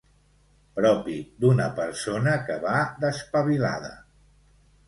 Propi d'una persona que va d'espavilada.